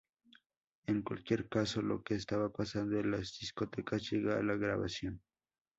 En cualquier caso, lo que estaba pasando en las discotecas llegó a la grabación.